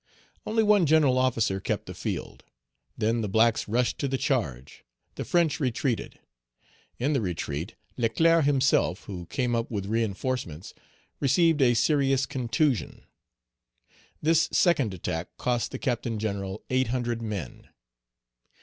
Only one general officer kept the field. Then the blacks rushed to the charge. The French retreated. In the retreat, Leclerc himself, who came up with reinforcements, received a serious contusion. This second attack cost the Captain General eight hundred men.